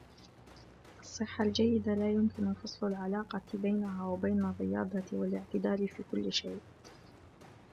الصحة الجيدة لا يمكن فصل العلاقة بينها وبين الرياضة والاعتدال في كل شيء.